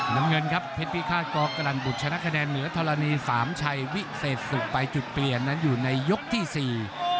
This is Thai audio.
น้ำเงินครับเพชรพิฆาตกรันบุตรชนะคะแนนเหนือธรณีสามชัยวิเศษสุขไปจุดเปลี่ยนนั้นอยู่ในยกที่สี่